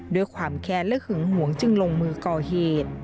ด้วยความแค้นและหึงหวงจึงลงมือก่อเหตุ